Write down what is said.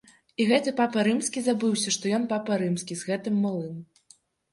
І гэты папа рымскі забыўся, што ён папа рымскі, з гэтым малым.